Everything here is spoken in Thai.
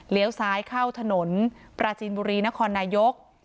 ซ้ายเข้าถนนปราจีนบุรีนครนายก